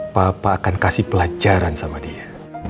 papa akan kasih pelajaran sama dia